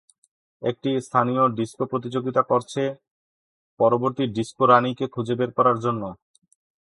একটি স্থানীয় ডিস্কো প্রতিযোগিতা করছে পরবর্তী ডিস্কো রাণীকে খুঁজে বের করার জন্য।